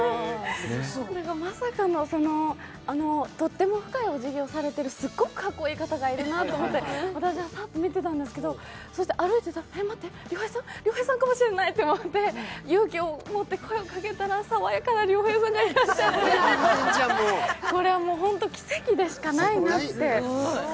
まさかのとっても深いおじぎをされてるすごいかっこいい方がいるなと私はサッと見てたんですけど、歩いてたら、え、待って、亮平さん？亮平さんかもしれないと思って、勇気を持って声をかけたら、爽やかな亮平さんがいらっしゃってこれはもうホント奇跡でしかないなって。